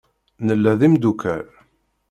Nella d imeddukal.